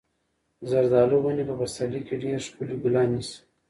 د زردالو ونې په پسرلي کې ډېر ښکلي ګلان نیسي.